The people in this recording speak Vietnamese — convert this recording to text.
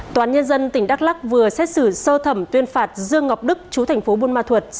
toán nhân dân tp hcm vừa xét xử sơ thẩm tuyên phạt dương ngọc đức chú thành phố buôn ma thuật